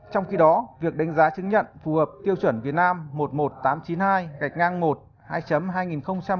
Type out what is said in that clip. trong khi đó việc đánh giá chứng nhận phù hợp tiêu chuẩn việt nam một mươi một nghìn tám trăm chín mươi hai gạch ngang một hai hai nghìn một mươi tám